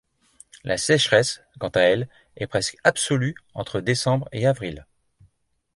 La sécheresse, quant à elle, est presque absolue entre décembre et avril.